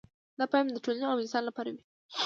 دا پیام د ټولنې او انسانانو لپاره وي